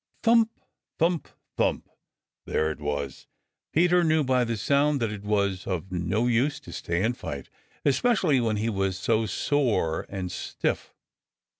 Thump! Thump! Thump! There it was again. Peter knew by the sound that it was of no use to stay and fight, especially when he was so sore and stiff.